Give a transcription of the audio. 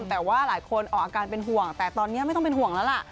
แต่ว่าหลายคนออกอาการเป็นห่วงแต่ตอนนี้ไม่ต้องเป็นห่วงแล้วล่ะ